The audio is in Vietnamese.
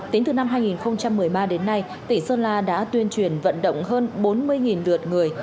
tính từ năm hai nghìn một mươi ba đến nay tỉnh sơn la đã tuyên truyền vận động hơn bốn mươi lượt người